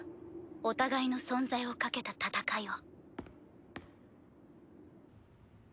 お互いの存在を懸けた戦いを。